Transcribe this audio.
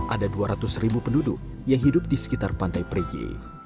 ada dua ratus ribu penduduk yang hidup di sekitar pantai perigi